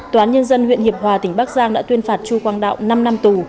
tòa án nhân dân huyện hiệp hòa tỉnh bắc giang đã tuyên phạt chu quang đạo năm năm tù